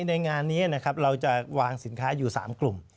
ในงานนี้นะครับเราจะวางสินค้าอยู่๓กลุ่ม